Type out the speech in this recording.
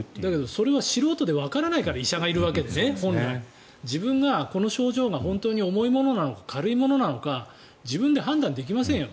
それは素人でわからないから本来医者がいるわけでねこの症状が本当に重いものなのか軽いものなのか自分で判断できませんよ